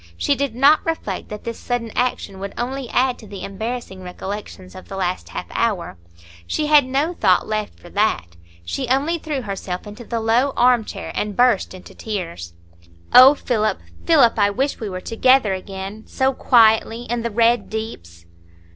She did not reflect that this sudden action would only add to the embarrassing recollections of the last half hour. She had no thought left for that. She only threw herself into the low arm chair, and burst into tears. "Oh, Philip, Philip, I wish we were together again—so quietly—in the Red Deeps."